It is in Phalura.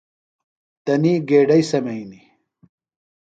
تنی گیڈئی سمئینیۡ۔